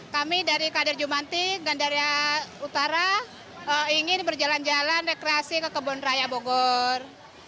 kami dari kader jumanti gandaria utara ingin berjalan jalan rekreasi ke kebun raya bogor